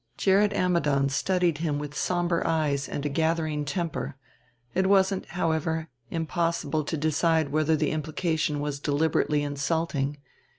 Gerrit Ammidon studied him with somber eyes and a gathering temper: it was, however, impossible to decide whether the implication was deliberately insulting.